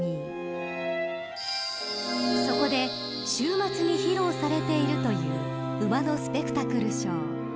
［そこで週末に披露されているという馬のスペクタクルショー］